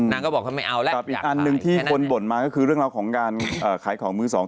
ก็บอกว่าไม่เอาแล้วกับอีกอันหนึ่งที่คนบ่นมาก็คือเรื่องราวของการขายของมือสอง